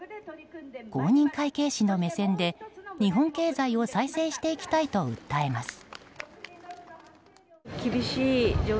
公認会計士の目線で日本経済を再生していきたいと訴えます。